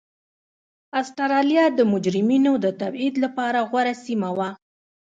اسټرالیا د مجرمینو د تبعید لپاره غوره سیمه وه.